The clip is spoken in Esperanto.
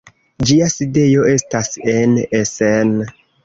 Ĝia sidejo estas en Essen.